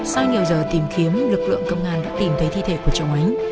sau nhiều giờ tìm kiếm lực lượng công an đã tìm thấy thi thể của chồng ánh